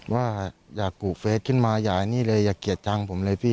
ว่าอย่ากรูเฟสขึ้นมาอย่าเกลียดจังผมเลยพี่